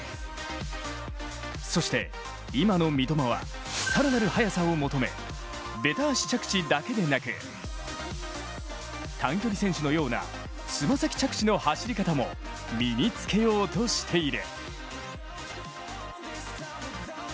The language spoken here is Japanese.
そして、今の三笘は更なる速さを求め、べた足着地だけでなく短距離選手のような爪先着地の走り方も身に着けようとしている。